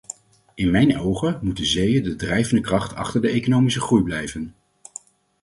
In mijn ogen moeten zeeën de drijvende kracht achter de economische groei blijven.